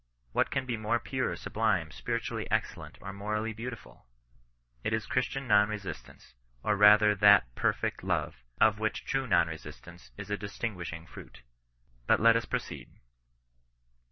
What can be more pure, sublime, spiritually excellent, or morally beautiful ! It is Christian non resistance ; or rather that perfect love, of which true non resistance is a distinguishing fruit. But let us proceed.